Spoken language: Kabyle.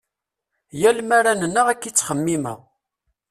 Yal mi ara nennaɣ akka i ttximimeɣ.